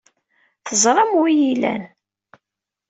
Teẓram anwa ay iyi-ilan.